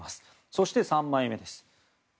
そして、３枚目です。